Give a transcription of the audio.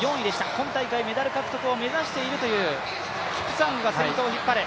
今大会メダル獲得を目指しているというキプサングが先頭を引っ張る。